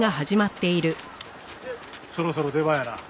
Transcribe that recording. そろそろ出番やな。